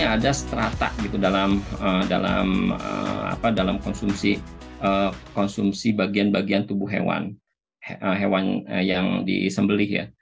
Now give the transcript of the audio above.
ada strata dalam konsumsi bagian bagian tubuh hewan yang disembeli